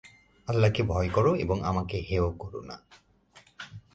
আল্লাহকে ভয় কর এবং আমাকে হেয় করো না।